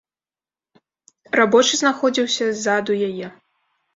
Рабочы знаходзіўся ззаду яе.